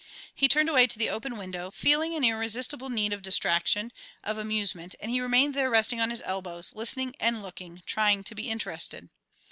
He turned away to the open window, feeling an irresistible need of distraction, of amusement, and he remained there resting on his elbows, listening and looking, trying to be interested.